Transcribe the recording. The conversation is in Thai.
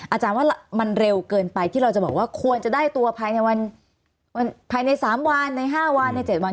อาจารย์ว่ามันเร็วเกินไปที่เราจะบอกว่าควรจะได้ตัวภายใน๓วันใน๕วันใน๗วัน